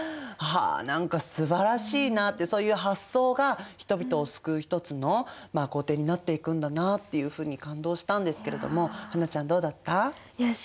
あ何かすばらしいなってそういう発想が人々を救う一つの行程になっていくんだなっていうふうに感動したんですけれども英ちゃんどうだった？